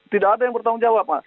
tidak ada yang bertanggung jawab mas